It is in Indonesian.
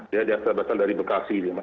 dia dasar dasar dari bekasi mbak